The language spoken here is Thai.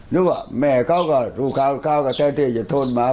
นึกว่าแม่เขาก็ลูกค้าลูกคราวก็แท้ที่จะโทรมา